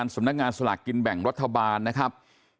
สำนักงานสลากกินแบ่งรัฐบาลนะครับ